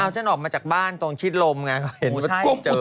เอาฉันออกมาจากบ้านตรงชิดลมไงเขาเห็นว่าเจอหมดเลย